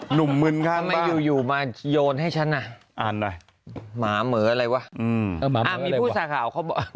หนูมึ้งทั้งบ้านอยู่มาโยนให้ฉันอะเอาหน่อยหมาเหมือนอันตาจะเป็นผู้กล่าว